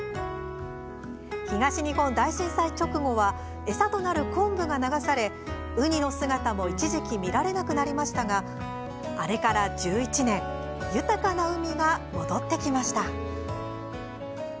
東日本大震災直後は餌となる昆布が流されウニの姿も一時期見られなくなりましたがあれから１１年豊かな海が戻ってきました。